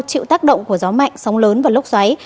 chịu tác động của gió mạnh sóng lớn và lốc xoáy